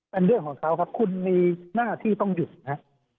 เป็นเรื่องของเขาครับคุณมีหน้าที่ต้องหยุดนะครับ